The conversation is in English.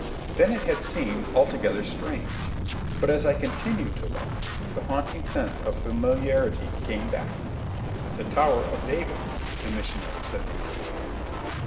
Then it had seemed altogether strange. But as I continued to look the haunting sense of familiarity came back. "The Tower of David," the missionary said to my mother.